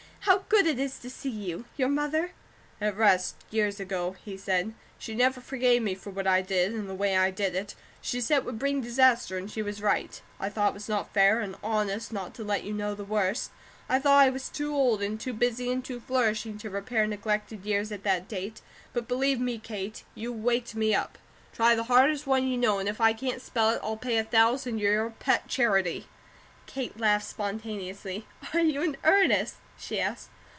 How good it is to see you! Your mother ?" "At rest, years ago," he said. "She never forgave me for what I did, in the way I did it. She said it would bring disaster, and she was right. I thought it was not fair and honest not to let you know the worst. I thought I was too old, and too busy, and too flourishing, to repair neglected years at that date, but believe me, Kate, you waked me up. Try the hardest one you know, and if I can't spell it, I'll pay a thousand to your pet charity." Kate laughed spontaneously. "Are you in earnest?" she asked.